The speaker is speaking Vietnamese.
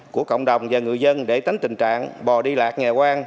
của cộng đồng và người dân để tính tình trạng bò đi lạc nhà quang